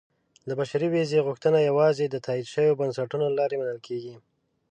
• د بشري ویزې غوښتنه یوازې د تایید شویو بنسټونو له لارې منل کېږي.